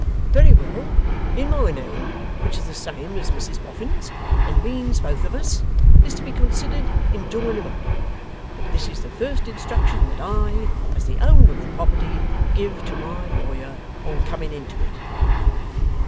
'Very well; in my name, which is the same as Mrs Boffin's, and means both of us, is to be considered in drawing 'em up. But this is the first instruction that I, as the owner of the property, give to my lawyer on coming into it.